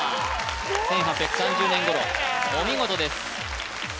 １８３０年頃お見事ですクソ！